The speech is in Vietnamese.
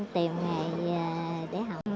tìm ngày để học